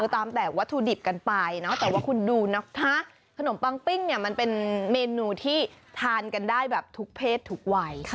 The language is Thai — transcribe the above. ตามแต่วัตถุดิบกันไปเนาะแต่ว่าคุณดูนะคะขนมปังปิ้งเนี่ยมันเป็นเมนูที่ทานกันได้แบบทุกเพศทุกวัย